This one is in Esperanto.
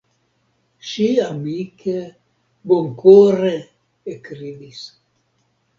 Ŝi amike, bonkore ekridis.